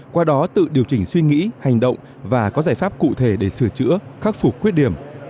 qua đó tự điều chỉnh suy nghĩ hành động và có giải pháp cụ thể để sửa chữa khắc phục khuyết điểm